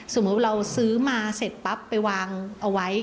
สมมุติเราซื้อมาเสร็จปั๊บไปวางเอาไว้